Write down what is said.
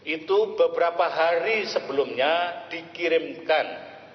itu beberapa hari sebelumnya dikirimkan